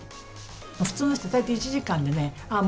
もう普通の人、大体１時間でね、ああ